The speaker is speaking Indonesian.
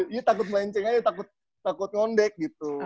ini takut melenceng aja takut ngondek gitu